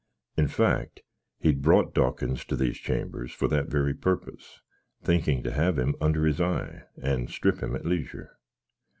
In fact, he'd brought Dawkins to these chambers for that very porpos, thinking to have him under his eye, and strip him at leisure.